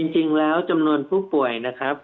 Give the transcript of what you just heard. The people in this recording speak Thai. จริงแล้วจำนวนผู้ป่วยนะครับ